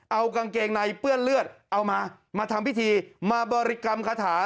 เอากางเกงในเปื้อนเลือดเอามามาทำพิธีมาบริกรรมคาถา